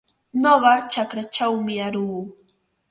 Nuqa chakraćhawmi aruu.